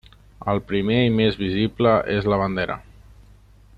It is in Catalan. El primer i més visible és la bandera.